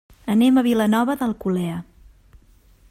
Anem a Vilanova d'Alcolea.